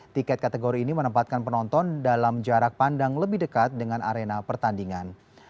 tiket kategori ini menempatkan penonton dalam jarak pandang lebih dekat dengan arena pertandingan